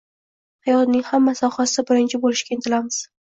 hayotning hamma sohasida birinchi bo’lishga intilamiz